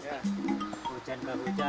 hujan pak hujan pak